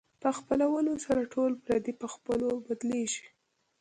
په خپلولو سره ټول پردي په خپلو بدلېږي.